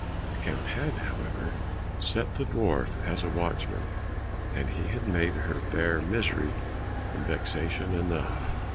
The count had, however, set the dwarf as a watchman, and he had made her bear misery and vexation enough.